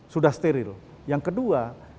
sudah steril yang kedua